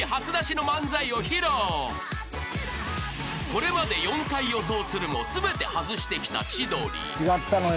［これまで４回予想するも全て外してきた千鳥］